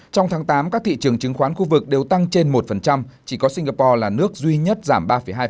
trong tháng tám các thị trường chứng khoán khu vực đều tăng trên một chỉ có singapore là nước duy nhất giảm ba hai